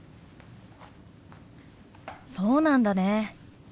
そうなんだね。